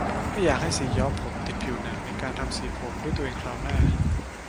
ไม่อยากให้สีย้อมผมติดผิวหนังในการทำสีผมด้วยตัวเองคราวหน้า